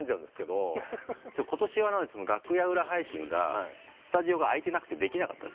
ことしは楽屋裏配信がスタジオが空いてなくてできなかった。